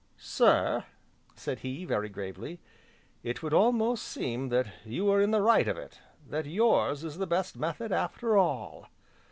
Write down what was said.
"Sir," said he, very gravely, "it would almost seem that you were in the right of it, that yours is the best method, after all!"